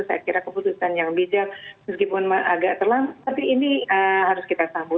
meskipun agak terlambat tapi ini harus kita sambut dengan baik